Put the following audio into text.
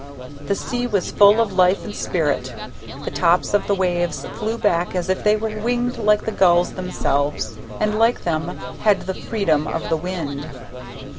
The sea was full of life and spirit, the tops of the waves flew back as if they were winged like the gulls themselves, and like them had the freedom of the wind.